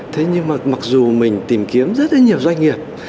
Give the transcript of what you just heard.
thế nhưng mà mặc dù mình tìm kiếm rất là nhiều doanh nghiệp